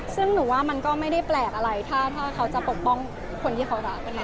ซึ่งหนูว่ามันก็ไม่ได้แปลกอะไรถ้าเขาจะปกป้องคนที่เขารัก